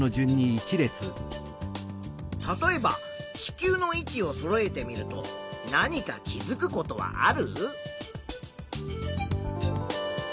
例えば地球の位置をそろえてみると何か気づくことはある？